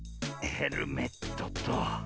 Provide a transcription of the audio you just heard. ヘルメットと。